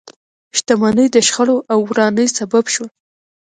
شتمنۍ د شخړو او ورانۍ سبب شوه.